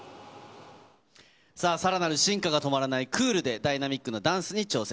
さあ、さらなる進化が止まらない、クールでダイナミックなダンスに挑戦。